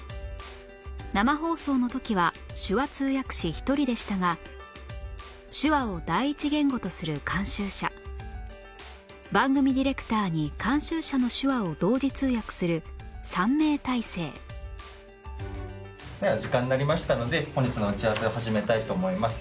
生放送の時は手話通訳士１人でしたが手話を第一言語とする監修者番組ディレクターに監修者の手話を同時通訳する３名体制では時間になりましたので本日の打ち合わせを始めたいと思います。